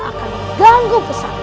siapkan pembok ogeng